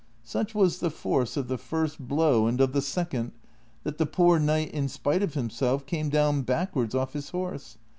Such was the force of the first blow and of the second, that the poor knight in spite of himself came down backwards off his horse.